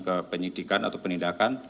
kemudian ke penyelidikan atau penindakan